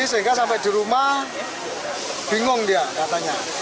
sehingga sampai di rumah bingung dia katanya